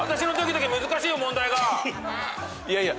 いやいや。